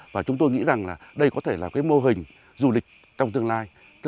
và chúng tôi nghĩ rằng là đây có thể là cái mô hình du lịch trong tương lai